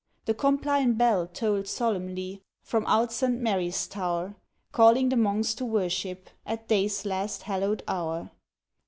The Compline Bell tolled solemnly From out St. Mary's Tower, Calling the Monks to worship At day's last hallowed hour.